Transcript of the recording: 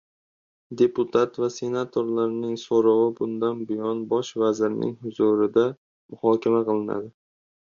Deputat va senatorlarning so‘rovi bundan buyon Bosh vazir huzurida muhokama qilinadi